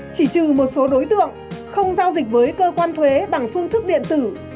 chỉ trừ một số đối tượng không giao dịch với cơ quan thuế bằng phương thức điện tử